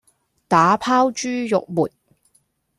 打拋豬肉末